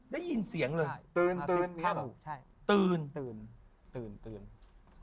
ได้ยินเสียงเลย